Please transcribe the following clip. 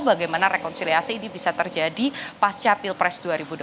bagaimana rekonsiliasi ini bisa terjadi pasca pilpres dua ribu dua puluh